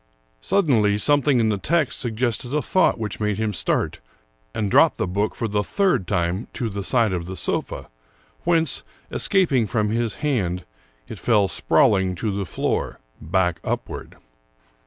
Suddenly something in the text suggested a thought which made him start and drop the book for the third time to the side of the sofa, whence, escaping from his hand, it fell sprawling to the floor, back upward.